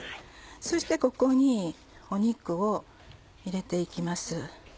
そしてここに肉を入れて行きます。